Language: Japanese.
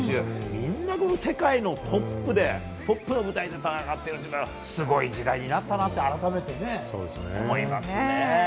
みんな世界のトップの舞台で戦っているのですごい時代になったなって改めて、思いますね。